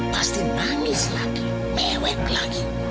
pasti manis lagi mewek lagi